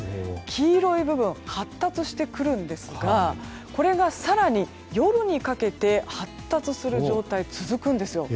黄色い部分発達してくるんですがこれが更に夜にかけて発達する状態が続きます。